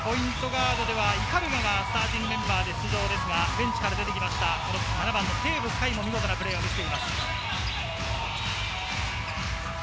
ガードでは鵤がスターティングメンバーで出場ですが、ベンチから出てきた７番のテーブス海も見事なプレーを見せています。